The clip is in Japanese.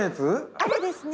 あれですね。